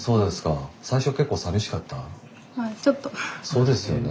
そうですよね。